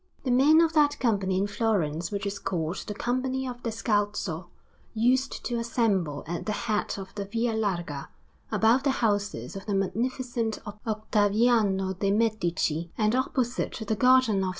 The men of that company in Florence which is called the Company of the Scalzo used to assemble at the head of the Via Larga, above the houses of the Magnificent Ottaviano de' Medici, and opposite to the garden of S.